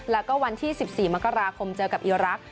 แล้วก็วันที่๑๔มกราคมเจอกับอีรักษ